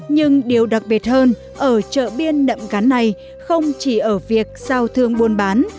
nhưng điều đặc biệt hơn ở chợ biên nậm cắn này không chỉ ở việc giao thương buôn bán